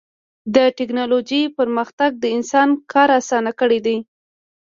د ټکنالوجۍ پرمختګ د انسان کار اسان کړی دی.